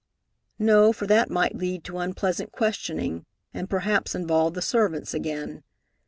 No, for that might lead to unpleasant questioning, and perhaps involve the servants again.